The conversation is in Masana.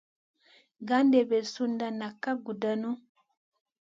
Gandebe sunda nak ka gudanu.